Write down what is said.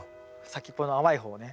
先っぽの甘いほうをね。